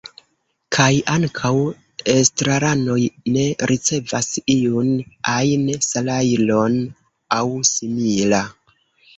Kaj ankaŭ estraranoj ne ricevas iun ajn salajron aŭ simila.